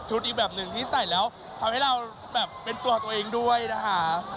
อีกแบบหนึ่งที่ใส่แล้วทำให้เราแบบเป็นตัวตัวเองด้วยนะคะ